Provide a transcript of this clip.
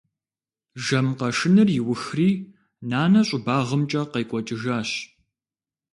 Жэм къэшыныр иухри, нанэ щӏыбагъымкӏэ къекӏуэкӏыжащ.